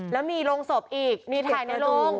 แล้วมีโรงศพอีกมีถ่ายในโรง